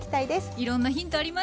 いろんなヒントありました。